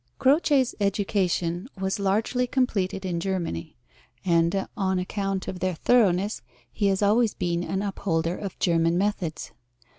Croce's education was largely completed in Germany, and on account of their thoroughness he has always been an upholder of German methods.